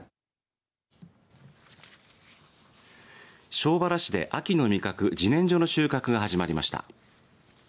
庄原市で秋の味覚じねんじょの収穫が始まりました。